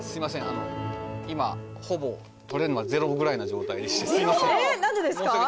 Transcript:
あの今ほぼとれるのはゼロぐらいな状態でしてすいませんウソ！